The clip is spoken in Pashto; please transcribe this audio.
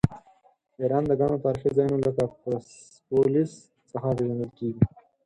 ایران د ګڼو تاریخي ځایونو لکه پرسپولیس څخه پیژندل کیږي.